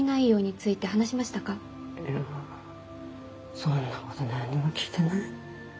いやそんなこと何にも聞いてない。